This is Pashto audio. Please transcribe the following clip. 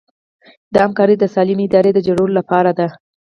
دا همکاري د سالمې ادارې د جوړولو لپاره ده.